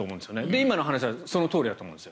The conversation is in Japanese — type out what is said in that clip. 今の話はそのとおりだと思うんですよ。